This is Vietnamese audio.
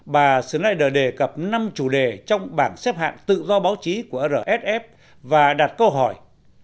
bà schneider đề cập năm chủ đề trong bảng xếp hạn tự do báo chí của rsf và đặt câu hỏi